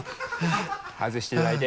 外していただいて。